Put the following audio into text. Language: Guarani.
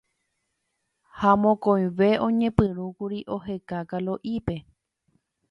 Ha mokõive oñepyrũkuri oheka Kalo'ípe